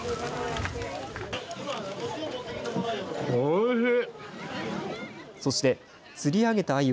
おいしい。